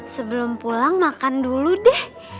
sebelum pulang makan dulu deh